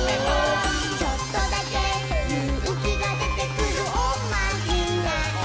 「ちょっとだけゆうきがでてくるおまじない」